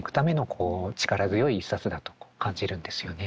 こう力強い一冊だと感じるんですよね。